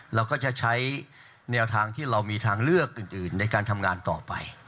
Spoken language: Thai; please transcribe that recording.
เราก็จะใช้แนวทางที่เรามีทางเลือกอื่นในการทำงานต่อไป